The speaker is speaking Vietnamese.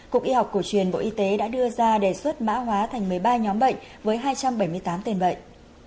cục y học cổ truyền bộ y tế đã đưa ra đề xuất mã hóa thành một mươi ba nhóm bệnh với hai trăm bảy mươi tám tên bệnh